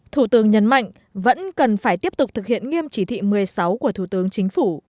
thủ tướng nhấn mạnh vẫn cần phải tiếp tục thực hiện nghiêm chỉ thị một mươi sáu của thủ tướng chính phủ